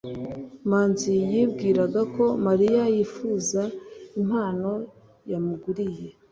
manzi yibwiraga ko mariya yifuza impano yamuguriye